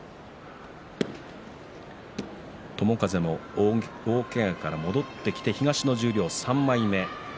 友風も大けがから戻ってきて東の十両３枚目。